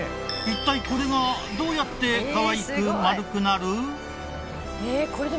一体これがどうやってかわいく丸くなる？